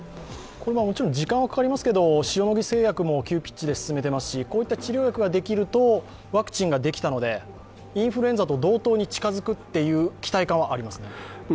もちろん時間はかかりますが、塩野義製薬も急ピッチで進めていますしこういった治療薬ができるとワクチンができたので、インフルエンザと同等に近づくという期待がありますね。